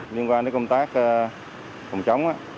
liên quan đến công tác phòng chống